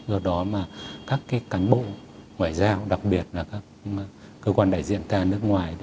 do đó mà các cái cán bộ ngoại giao đặc biệt là các cơ quan đại diện ta nước ngoài